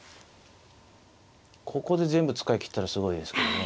ここで全部使い切ったらすごいですけどね。